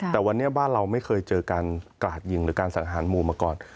แต่วันนี้บ้านเราไม่เคยเจอการกราดยิงหรือการสังหารหมู่มาก่อน